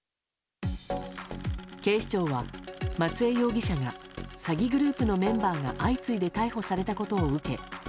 警視庁は松江容疑者が詐欺グループのメンバーが相次いで逮捕されたことを受け